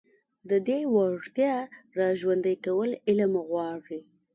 د دې وړتيا راژوندي کول علم غواړي.